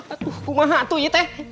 aduh kumah hatu ite